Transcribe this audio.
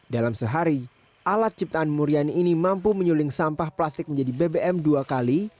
dalam sehari alat ciptaan muriani ini mampu menyuling sampah plastik menjadi bbm dua kali